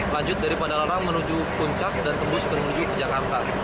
lanjut dari padalarang menuju puncak dan tembus menuju ke jakarta